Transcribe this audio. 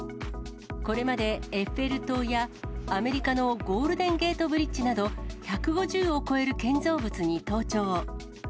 これまでエッフェル塔や、アメリカのゴールデンゲートブリッジなど、１５０を超える建造物に登頂。